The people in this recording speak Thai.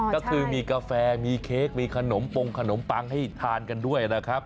ก็คือมีกาแฟมีเค้กมีขนมปงขนมปังให้ทานกันด้วยนะครับ